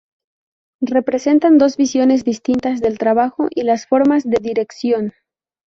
Representan dos visiones distintas del trabajo y las formas de dirección.